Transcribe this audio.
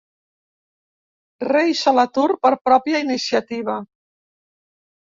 Reis a l'atur per pròpia iniciativa.